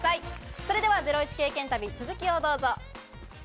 それではゼロイチ経験旅、続きをどうぞ。